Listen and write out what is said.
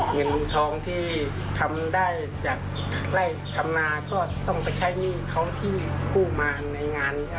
เงินทองที่ทำได้จากไล่ทำนาก็ต้องไปใช้หนี้เขาที่กู้มาในงาน